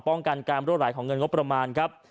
ป้องกันการรั่วไหลของเงินงบประมาณครับ